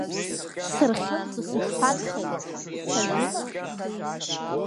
Сырхьымӡо сышԥанхеи, сажәыма?